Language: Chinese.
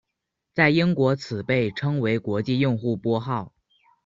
在英国此被称为国际用户拨号。